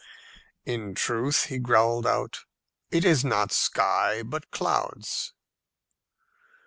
"In truth," he growled out, "it is not sky but clouds."